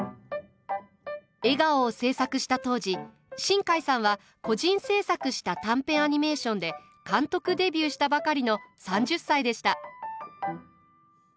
「笑顔」を制作した当時新海さんは個人制作した短編アニメーションで監督デビューしたばかりの３０歳でした。